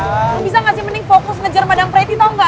lo bisa gak sih mending fokus ngejar madang preti tau gak